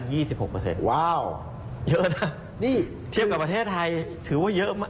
ว้าวเยอะนะนี่เทียบกับประเทศไทยถือว่าเยอะมาก